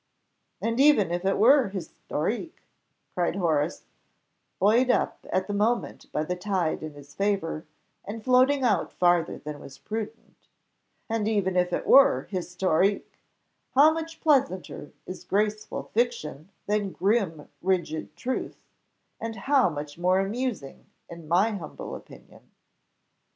"And even if it were historique," cried Horace, buoyed up at the moment by the tide in his favour, and floating out farther than was prudent "and even if it were historique, how much pleasanter is graceful fiction than grim, rigid truth; and how much more amusing in my humble opinion!"